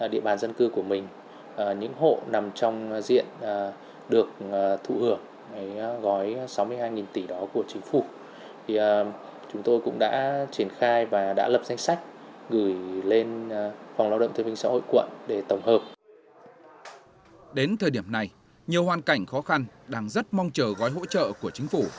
đến thời điểm này nhiều hoàn cảnh khó khăn đang rất mong chờ gói hỗ trợ của chính phủ